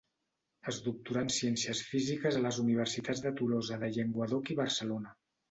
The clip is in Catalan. Es doctorà en ciències físiques a les universitats de Tolosa de Llenguadoc i Barcelona.